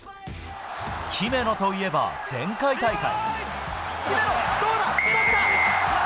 姫野といえば前回大会。